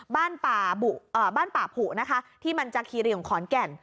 บ้านป่าผุนะคะที่มันจากคีรีของขอนแก่น